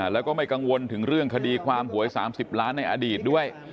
แล้วก็ไม่กังวลถึงเรื่องคดีความหวย๓๐ล้านในอดีตด้วย